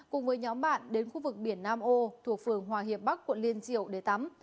cùng với nhóm bạn đến khu vực biển nam ô thuộc phường hòa hiệp bắc quận liên triều để tắm